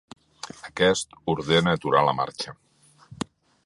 Aquest ordena aturar la marxa.